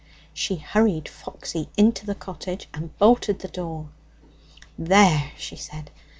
She hurried Foxy into the cottage and bolted the door. 'There!' she said.